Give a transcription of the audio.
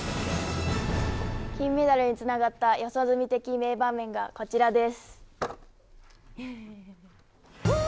金メダルにつながった四十住的名場面がこちらです。